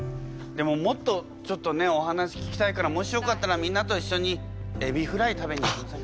でももっとちょっとねお話聞きたいからもしよかったらみんなといっしょにエビフライ食べに行きませんか？